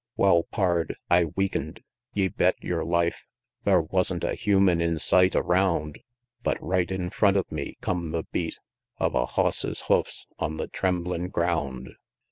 Wal, Pard, I weaken'd ye bet yer life! Thar wasn't a human in sight around, But right in front of me come the beat Of a hoss's hoofs on the tremblin' ground XLIV.